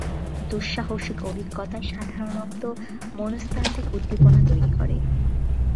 দুঃসাহসিক অভিজ্ঞতা সাধারণত মনস্তাত্ত্বিক উদ্দীপনা তৈরি করে।